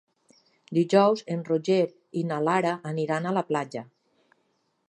Dijous en Roger i na Lara aniran a la platja.